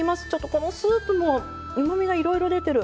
このスープもうまみが、いろいろ出てる。